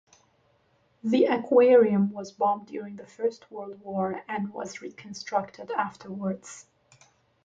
The Aquarium was bombed during the First World War and was reconstructed afterwards.